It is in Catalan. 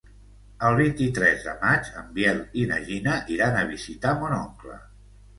El vint-i-tres de maig en Biel i na Gina iran a visitar mon oncle.